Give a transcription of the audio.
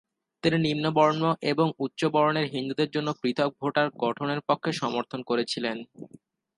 তিনি নিম্ন বর্ণ এবং উচ্চ বর্ণের হিন্দুদের জন্য পৃথক ভোটার গঠনের পক্ষে সমর্থন করেছিলেন।